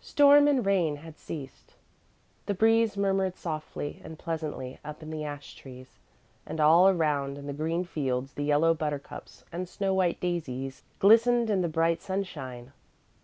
Storm and rain had ceased. The breeze murmured softly and pleasantly up in the ash trees, and all around in the green fields the yellow buttercups and snow white daisies glistened in the bright sunshine.